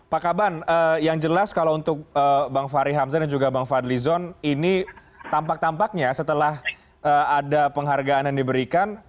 pak kaban yang jelas kalau untuk bang fahri hamzah dan juga bang fadlizon ini tampak tampaknya setelah ada penghargaan yang diberikan